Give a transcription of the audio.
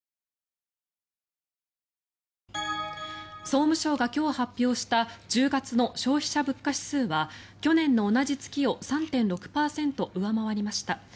総務省が今日発表した１０月の消費者物価指数は去年の同じ月を３．６％上回りました。